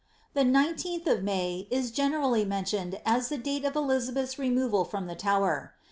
The 19th of May is generally mentioned as the date of Elizabeth^ removal from the Tower.